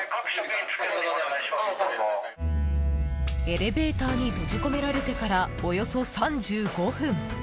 エレベーターに閉じ込められてからおよそ３５分。